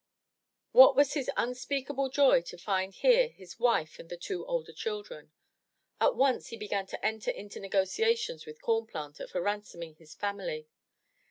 What was his unspeakable joy to find here his wife and the two older children. At once he began to enter into negotiations with Corn Planter for ransoming his family.